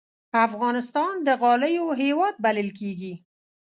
افغانستان د غالیو هېواد بلل کېږي.